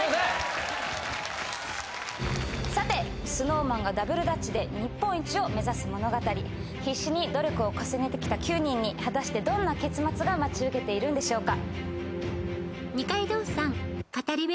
さてＳｎｏｗＭａｎがダブルダッチで必死に努力を重ねてきた９人に果たしてどんな結末が待ち受けているんでしょうか？